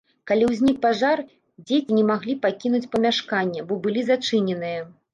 Калі ўзнік пажар, дзеці не маглі пакінуць памяшкання, бо былі зачыненыя.